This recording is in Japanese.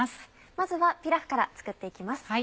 まずはピラフから作って行きます。